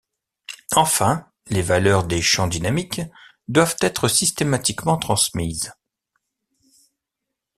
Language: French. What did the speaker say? Enfin, les valeurs des champs dynamiques doivent être systématiquement transmises.